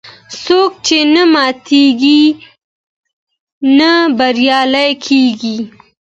څوک چې نه ماتیږي، نه بریالی کېږي.